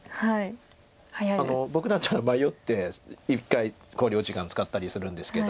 僕だったら迷って１回考慮時間使ったりするんですけど。